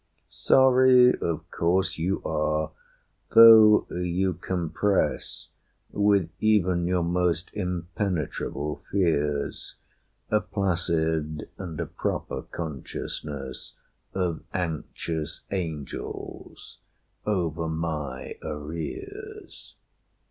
"Sorry? Of course you are, though you compress, With even your most impenetrable fears, A placid and a proper consciousness Of anxious angels over my arrears.